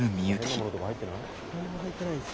何も入ってないです。